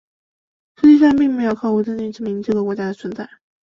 实际上并没有考古证据证明这个国家的存在。